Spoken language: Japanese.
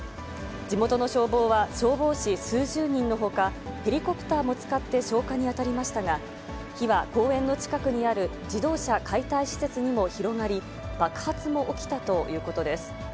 地元の消防は、消防士数十人のほか、ヘリコプターも使って消火に当たりましたが、火は公園の近くにある自動車解体施設にも広がり、爆発も起きたということです。